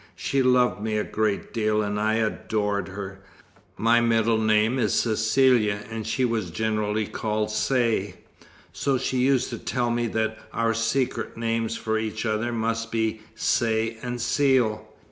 She loved me a great deal, and I adored her. My middle name is Cecilia, and she was generally called Say; so she used to tell me that our secret names for each other must be 'Say and Seal.'